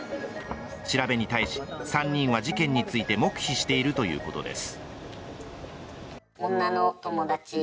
調べに対し、３人は事件について黙秘しているということです。